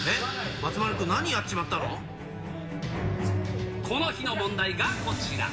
松丸君、何やっちまっこの日の問題がこちら。